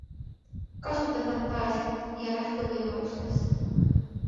Kasuta fantaasiat ja lähtu võimalustest.